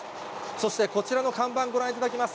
そして、こちらの看板ご覧いただきます。